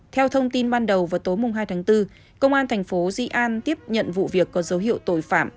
theo thông tin ban đầu vào tối hai tháng bốn công an thành phố di an tiếp nhận vụ việc có dấu hiệu tội phạm